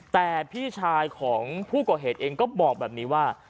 แต่พี่ชายของผู้ก่อเหตุเองก็บอกแบบนี้ว่า